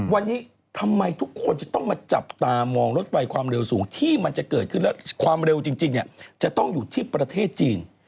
วันนี้ทำไมทุกคนจะต้องมาจับตามองรถไฟความเร็วสูงที่มันจะเกิดขึ้นแล้วความเร็วจริงจะต้องอยู่ที่ประเทศจีน